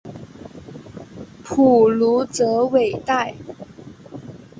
普卢泽韦代。